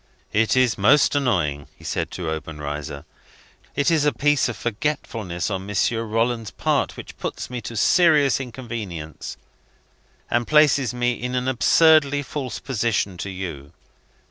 "It is most annoying," he said to Obenreizer "it is a piece of forgetfulness on Monsieur Rolland's part which puts me to serious inconvenience, and places me in an absurdly false position towards you.